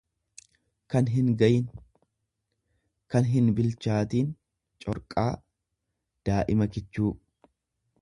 kan hingayin, kann hinbilchaatin, corqaa; Daa'ima kichuu.